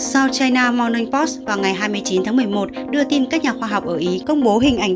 sou china monneng post vào ngày hai mươi chín tháng một mươi một đưa tin các nhà khoa học ở ý công bố hình ảnh